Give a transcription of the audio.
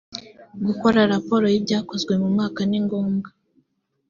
gukora raporo y’ibyakozwe mu mwaka ni ngombwa